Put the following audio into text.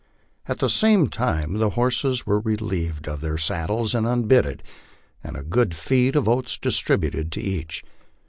At the same time the horses were re lieved of their saddles and unbitted, and a good feed of oats distributed to each.